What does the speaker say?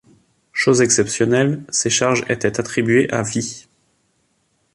Chose exceptionnelle, ces charges étaient attribuées à vie.